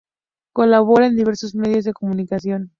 Colabora en diversos medios de comunicación.